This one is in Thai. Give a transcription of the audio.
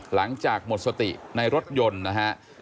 หลังจากหมดสติในรถยนต์นะฮะ